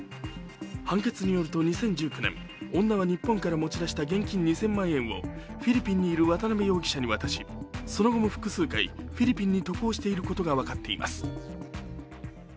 判決によると２０１９年、女は日本から持ちだした現金２０００万円をフィリピンにいる渡辺容疑者に渡しその後も複数回、フィリピンに渡航していることが分かっています。